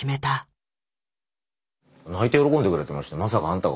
泣いて喜んでくれてました。